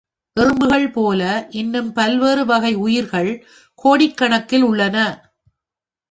எறும்புகள் போல இன்னும் பல்வேறு வகை உயிரிகள் கோடிக் கணக்கில் உள்ளன.